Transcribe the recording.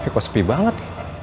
kok sepi banget